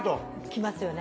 きますよね。